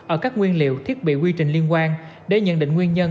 ở các nguyên liệu thiết bị quy trình liên quan để nhận định nguyên nhân